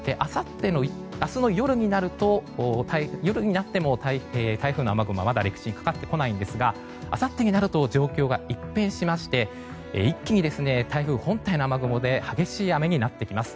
明日の夜になっても台風の雨雲はまだ陸地にかかってきませんがあさってになると状況が一変しまして一気に台風本体の雨雲で激しい雨になってきます。